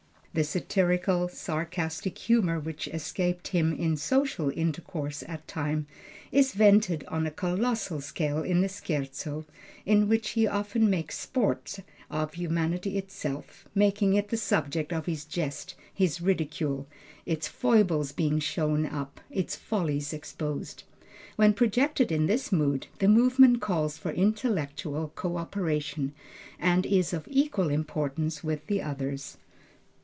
The satirical, sarcastic humor which escaped him in social intercourse at times, is vented on a colossal scale in the Scherzo, in which he often makes sport of humanity itself, making it the subject of his jest, his ridicule its foibles being shown up, its follies exposed. When projected in this mood, the movement calls for intellectual co operation, and is of equal importance with the others.